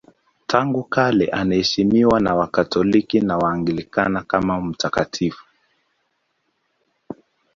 Tangu kale anaheshimiwa na Wakatoliki na Waanglikana kama mtakatifu.